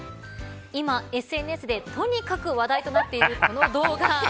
今、ＳＮＳでとにかく話題となっているこの動画。